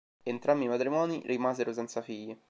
Entrambi i matrimoni rimasero senza figli.